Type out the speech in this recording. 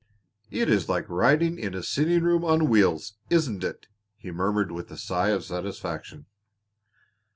"It is like riding in a sitting room on wheels, isn't it?" he murmured with a sigh of satisfaction.